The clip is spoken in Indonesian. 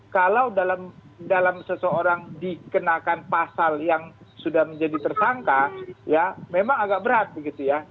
kalau dalam seseorang dikenakan pasal yang sudah menjadi tersangka ya memang agak berat begitu ya